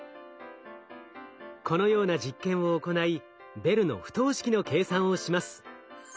このような実験を行いベルの不等式の計算をします。